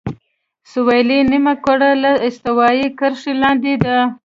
سویلي نیمهکره له استوایي کرښې لاندې ده.